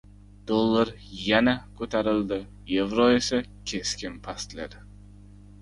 Dollar yana ko‘tarildi, yevro esa keskin pastladi